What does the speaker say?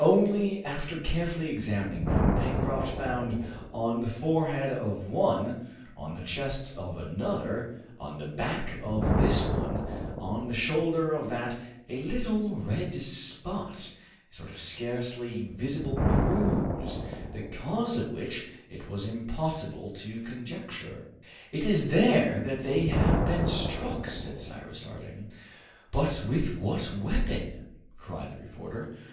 Only, after carefully examining them, Pencroft found on the forehead of one, on the chest of another, on the back of this one, on the shoulder of that, a little red spot, a sort of scarcely visible bruise, the cause of which it was impossible to conjecture. "It is there that they have been struck!" said Cyrus Harding. "But with what weapon?" cried the reporter.